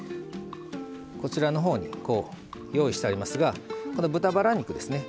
こちらのほうに用意してありますがこの豚バラ肉ですね